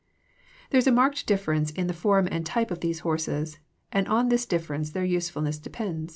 There is a marked difference in the form and type of these horses, and on this difference their usefulness depends.